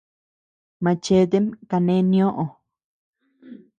Machetem kane nioo.